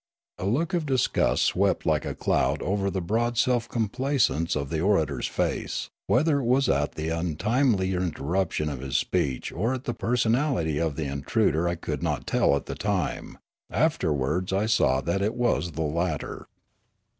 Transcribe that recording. A look of disgust swept like a cloud over the broad self complacence of the orator's face ; whether it was at the untimely interruption of his speech or at the personal ity of the intruder I could not tell at the time ; after wards I saw that it was the latter.